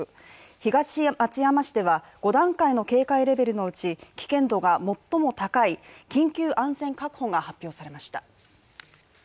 東松山市では５段階の警戒レベルのうち危険度が最も高い緊急安全確保が発表されました。